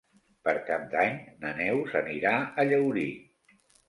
Per Cap d'Any na Neus anirà a Llaurí.